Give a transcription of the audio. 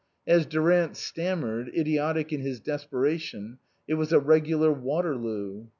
As Durant stammered, idiotic in his desperation, it was " a regular Water loo."